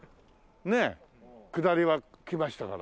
下りは来ましたから。